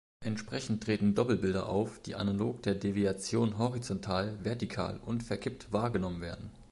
Entsprechend treten Doppelbilder auf, die analog der Deviation horizontal, vertikal und verkippt wahrgenommen werden.